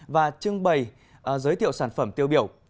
và trưng bày giới thiệu sản phẩm tiêu biểu